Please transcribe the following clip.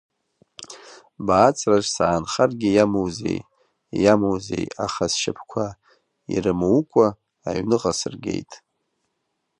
Бааҵраҿ саанхаргьы иамоузеи, иамоузеи, аха сшьапқәа ирымукәа аҩныҟа сыргеит…